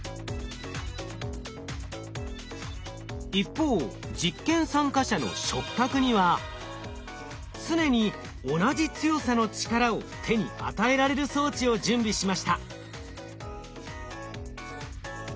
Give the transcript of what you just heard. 一方実験参加者の触覚には常に同じ強さの力を手に与えられる装置を準備しました。